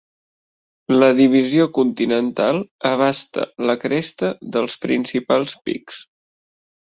La Divisió Continental abasta la cresta dels principals pics.